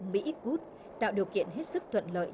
mỹ cút tạo điều kiện hết sức thuận lợi